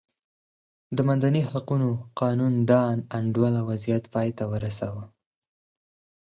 د مدني حقونو قانون دا نا انډوله وضعیت پای ته ورساوه.